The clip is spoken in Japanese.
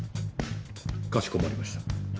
かしこまりました。